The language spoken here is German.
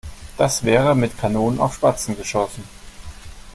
Das wäre mit Kanonen auf Spatzen geschossen.